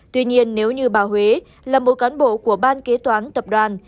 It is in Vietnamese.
tuy nhiên nếu như bà huế là một cán bộ của ban kế toán tập đoàn